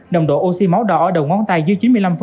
nồng độ oxy máu đỏ ở đầu ngón tay dưới chín mươi năm